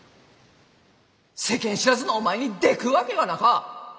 世間知らずのお前にでくっわけがなか！